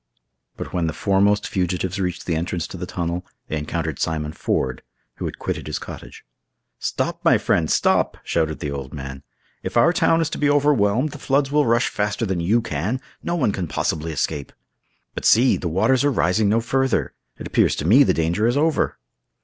But when the foremost fugitives reached the entrance to the tunnel, they encountered Simon Ford, who had quitted his cottage. "Stop, my friends, stop!" shouted the old man; "if our town is to be overwhelmed, the floods will rush faster than you can; no one can possibly escape. But see! the waters are rising no further! it appears to me the danger is over."